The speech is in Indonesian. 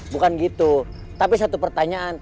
bukan gitu tapi satu pertanyaan